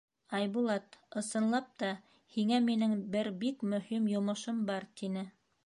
— Айбулат, ысынлап та, һиңә минең бер бик мөһим йомошом бар, — тине.